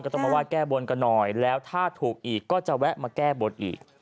ต้องมาไห้แก้บนกันหน่อยแล้วถ้าถูกอีกก็จะแวะมาแก้บนอีก